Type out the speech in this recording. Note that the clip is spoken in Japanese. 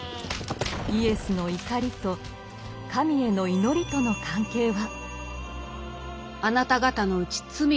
イエスの怒りと神への「祈り」との関係は？